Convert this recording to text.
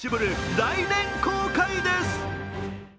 来年公開です。